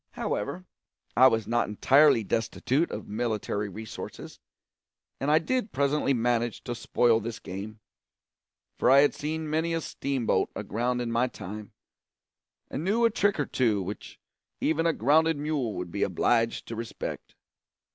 However, I was not entirely destitute of military resources, and I did presently manage to spoil this game; for I had seen many a steam boat aground in my time, and knew a trick or two which even a grounded mule would be obliged to respect.